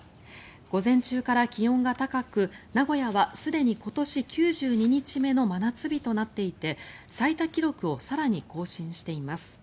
午前中から気温が高く名古屋はすでに今年９２日目の真夏日となっていて最多記録を更に更新しています。